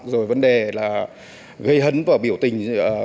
rồi vấn đề là gây hấn và biểu tình